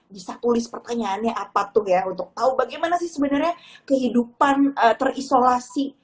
bisa tulis pertanyaannya apa tuh ya untuk tahu bagaimana sih sebenarnya kehidupan terisolasi